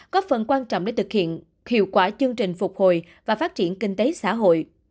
góp phần quan trọng để thực hiện hiệu quả chương trình phục hồi và phát triển kinh tế xã hội